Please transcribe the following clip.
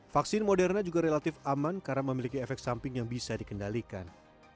vaksin moderna juga relatif aman karena memiliki efek samping yang bisa dikendalikan